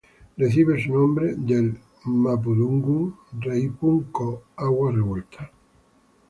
Recibe su nombre del mapudungun "Reipún"-"ko", Agua revuelta.